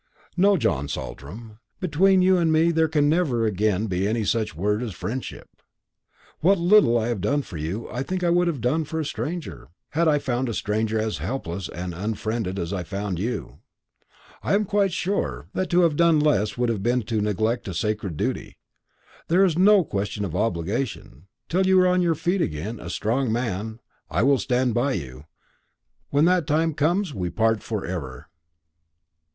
"No, John Saltram, between you and me there can never again be any such word as friendship. What little I have done for you I think I would have done for a stranger, had I found a stranger as helpless and unfriended as I found you. I am quite sure that to have done less would have been to neglect a sacred duty. There is no question of obligation. Till you are on your feet again, a strong man, I will stand by you; when that time comes, we part for ever."